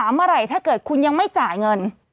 เมื่อไหร่ถ้าเกิดคุณยังไม่จ่ายเงิน